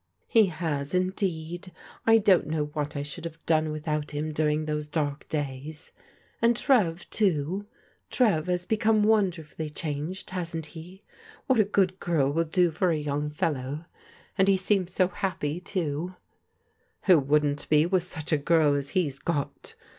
He has. indeed. I dai*t know what I should have dooe without him during those dark days. And Trev, too: Trev has become wuoderfully dianged, hasn't he? What a gpod girl will do for a yotmg fdlow! And he seems so happy, too •*W"ho wouldn't be with sudi a girl as he's got?"